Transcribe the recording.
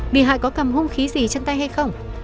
bị hại có cầm hung khí gì chân tay hay không